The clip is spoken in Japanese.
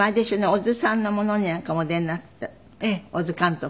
小津さんのものになんかもお出になった小津監督のものなんかに。